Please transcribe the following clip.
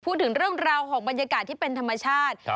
พูดถึงเรื่องราวของบรรยากาศที่เป็นธรรมชาติ